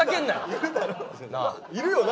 いるよな？